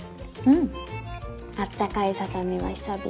あったかいささみは久々。